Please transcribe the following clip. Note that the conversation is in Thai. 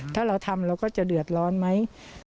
ถ้าเราทำเราก็จะเดือดร้อนไหม